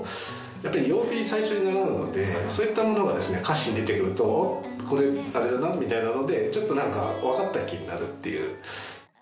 やっぱり曜日を最初に習うのでそういったものがですね歌詞に出てくると「おっ！これあれだな」みたいなのでちょっとなんかわかった気になるっていう。